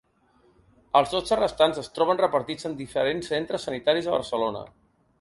Els dotze restants es troben repartits en diferents centres sanitaris de Barcelona.